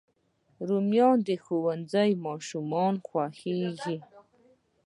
رومیان د ښوونځي ماشومانو خوښېږي